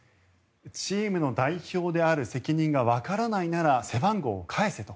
チームの代表である責任がわからないなら背番号を返せと。